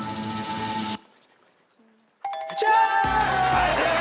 はい正解！